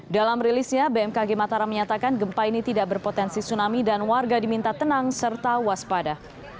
dalam rilisnya bmkg matara menyatakan gempa ini tidak berpotensi tsunami dan warga diminta tenang serta waspada